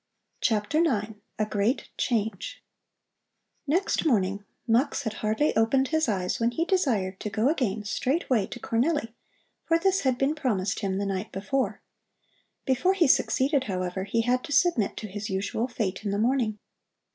CHAPTER IX A GREAT CHANGE Next morning Mux had hardly opened his eyes when he desired to go again straightway to Cornelli, for this had been promised him the night before. Before he succeeded, however, he had to submit to his usual fate in the morning.